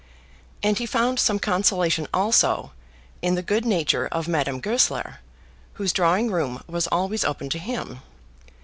And he found some consolation also in the good nature of Madame Goesler, whose drawing room was always open to him.